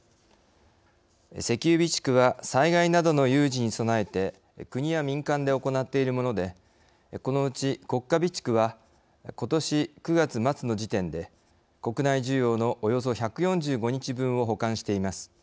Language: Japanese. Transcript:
石油備蓄は、災害などの有事に備えて国や民間で行っているものでこのうち、国家備蓄はことし９月末の時点で国内需要のおよそ１４５日分を保管しています。